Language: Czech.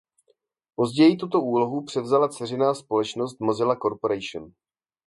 Později tuto úlohu převzala dceřiná společnost Mozilla Corporation.